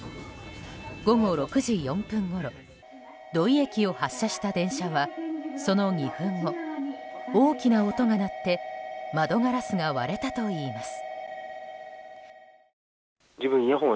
午後６時４分ごろ土井駅を発車した電車はその２分後、大きな音が鳴って窓ガラスが割れたといいます。